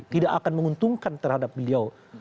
tidak akan menguntungkan terhadap beliau